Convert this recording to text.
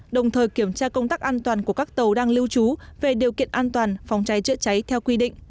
đồng thời kiểm tra công tác an toàn của các tàu đang lưu trú về điều kiện an toàn phòng cháy chữa cháy theo quy định